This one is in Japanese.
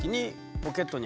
ポケットに？